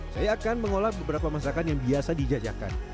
saya akan mengolah beberapa masakan yang biasa dijajakan